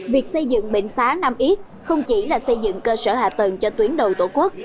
việc xây dựng bệnh xá nam yết không chỉ là xây dựng cơ sở hạ tầng cho tuyến đầu tổ quốc